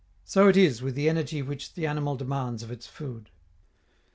So it is with the energy which the animal demands of its food.